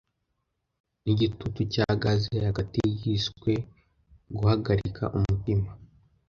nigitutu cya gaze hagati yiswe guhagarika umutima